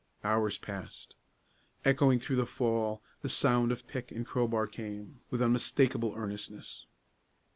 Hours passed. Echoing through the fall, the sound of pick and crowbar came, with unmistakable earnestness.